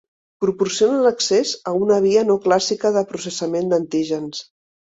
Proporcionen accés a una via no clàssica de processament d’antígens.